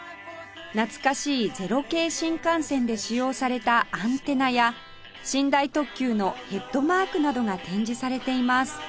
懐かしい０系新幹線で使用されたアンテナや寝台特急のヘッドマークなどが展示されています